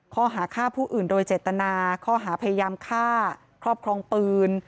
ข้อหาฆ่าผู้อื่นโดยเจตนาข้อหาพยายามฆ่าครอบครองปืน